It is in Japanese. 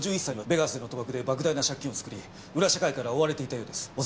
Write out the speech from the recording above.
５１歳はベガスでの賭博で莫大な借金を作り裏社会から追われていたようです。